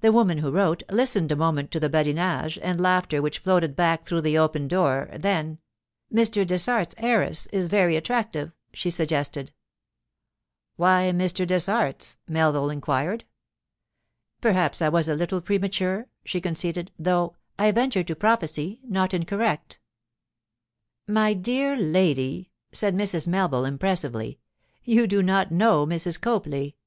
The woman who wrote listened a moment to the badinage and laughter which floated back through the open door; then, 'Mr. Dessart's heiress is very attractive,' she suggested. 'Why Mr. Dessart's?' Melville inquired. 'Perhaps I was a little premature,' she conceded—'though, I venture to prophesy, not incorrect.' 'My dear lady,' said Mrs. Melville impressively, 'you do not know Mrs. Copley.